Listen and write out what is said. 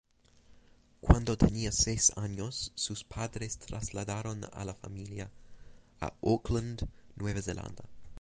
Cuando tenía seis años, sus padres trasladaron a la familia a Auckland, Nueva Zelanda.